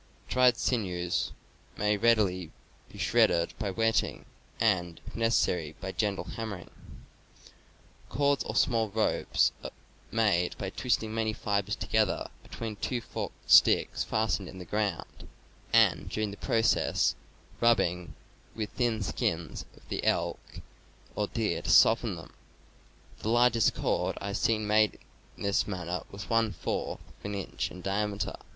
[Dried sinews may readily be shredded by wetting, and, if necessary, by gentle hammering.] Cords or small ropes are made by twisting many fibers together between two forked sticks fastened in the ground, and, during the process, rubbing with thin skins of the elk or deer to soften them; the largest cord I have seen made in this manner was one fourth of an inch in diameter.